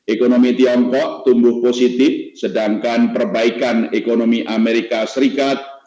ekonomi tiongkok tumbuh positif sedangkan perbaikan ekonomi amerika serikat